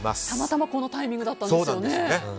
たまたまこのタイミングだったんですよね。